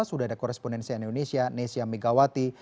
sudah ada korespondensi indonesia nesya megawati